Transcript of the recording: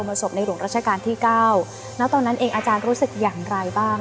ศพในหลวงรัชกาลที่เก้าแล้วตอนนั้นเองอาจารย์รู้สึกอย่างไรบ้าง